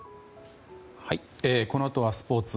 このあとはスポーツ。